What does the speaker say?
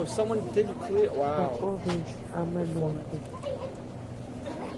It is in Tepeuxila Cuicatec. Sakó dïs ama nunti.